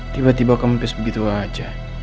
tiba tiba kempes begitu aja